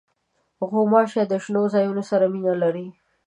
غوماشې د شنو ځایونو سره مینه لري.